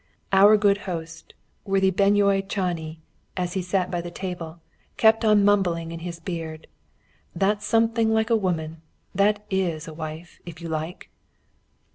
Our good host, worthy Beno Csányi, as he sat by the table, kept on mumbling in his beard: "That's something like a woman that is a wife, if you like!"